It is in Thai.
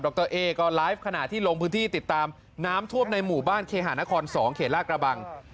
รเอ๊ก็ไลฟ์ขณะที่ลงพื้นที่ติดตามน้ำท่วมในหมู่บ้านเคหานคร๒เขตลาดกระบัง